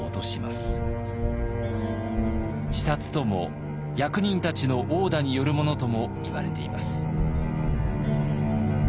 自殺とも役人たちの殴打によるものともいわれています。